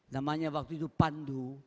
namanya waktu itu pandu